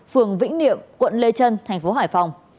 phường vĩnh niệm quận lê trân thành phố hải phòng